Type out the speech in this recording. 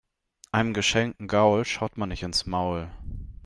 Einem geschenkten Gaul schaut man nicht ins Maul.